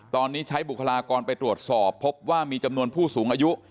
ตอนนี้ใช้บุคลากรไปตรวจสอบพบว่ามีจำนวนผู้สูงอายุ